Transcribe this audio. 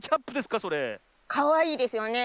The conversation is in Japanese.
かわいいですよね。